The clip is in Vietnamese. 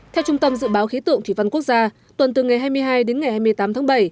theo trung tâm dự báo khí tượng thủy văn quốc gia tuần từ ngày hai mươi hai đến ngày hai mươi tám tháng bảy